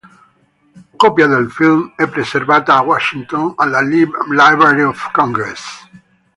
Copia del film è preservata a Washington alla Library of Congress.